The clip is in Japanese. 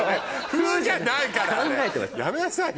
風じゃないからあれやめなさいよ